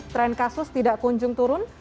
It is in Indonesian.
tren kasus tidak kunjung turun